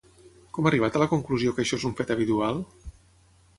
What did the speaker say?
Com ha arribat a la conclusió que això és un fet habitual?